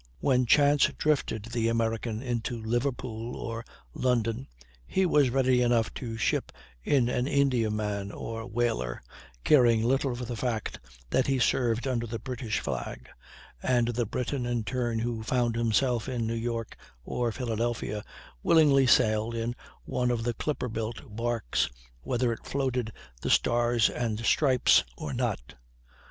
When chance drifted the American into Liverpool or London, he was ready enough to ship in an Indiaman or whaler, caring little for the fact that he served under the British flag; and the Briton, in turn, who found himself in New York or Philadelphia, willingly sailed in one of the clipper built barques, whether it floated the stars and stripes or not.